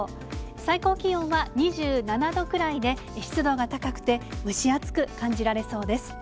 最高気温は２７度くらいで、湿度が高くて、蒸し暑く感じられそうです。